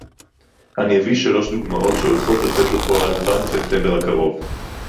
אני אביא שלוש דוגמאות שהולכות לצאת לפועל כבר בספטמבר הקרוב